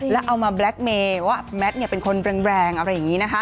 แล้วเอามาแบล็คเมย์ว่าแมทเป็นคนแรงอะไรอย่างนี้นะคะ